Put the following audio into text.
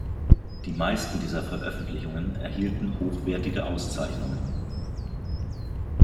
Die meisten dieser Veröffentlichungen erhielten hochwertige Auszeichnungen.